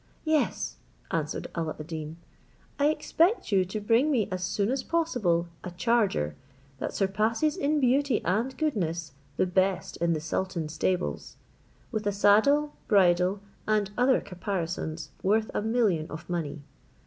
"Yes," answered Alla ad Deen, "I expect you to bring me as soon as possible a charger, that surpasses in beauty and goodness the best in the sultan's stables, with a saddle, bridle, and other caparisons worth a million of money.